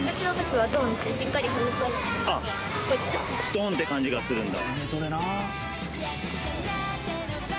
ドン！って感じがするんだ。